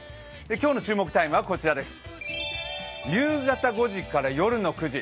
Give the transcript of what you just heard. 今日の注目タイムは夕方５時から夜の９時。